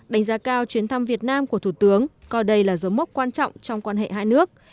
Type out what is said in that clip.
đánh giá cao chuyến thăm việt nam của thủ tướng coi đây là dấu mốc quan trọng trong quan hệ hai nước